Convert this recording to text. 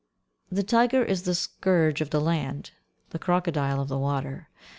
The tiger is the scourge of the land, the crocodile of the water.